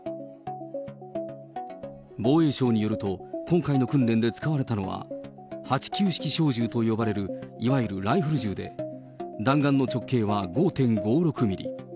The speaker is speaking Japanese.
防衛省によると、今回の訓練で使われたのは、８９式小銃と呼ばれる、いわゆるライフル銃で、弾丸の直径は５．５６ミリ。